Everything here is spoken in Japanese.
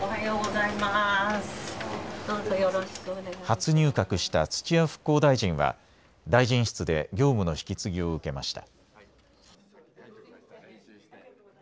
初入閣した土屋復興大臣は大臣室で業務の引き継ぎを受けました。